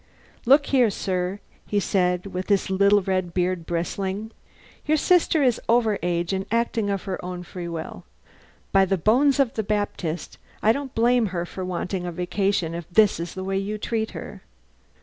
"Look here sir," he said, with his little red beard bristling, "your sister is over age and acting of her own free will. By the bones of the Baptist, I don't blame her for wanting a vacation if this is the way you treat her.